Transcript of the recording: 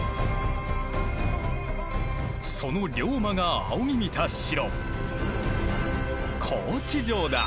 その龍馬が仰ぎ見た城。